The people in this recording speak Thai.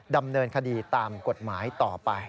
ดำเนินคดีตามกฎหมายต่อไป